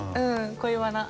恋バナね。